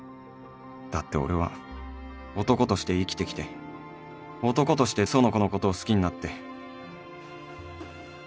だって俺は男として生きてきて男として苑子のことを好きになって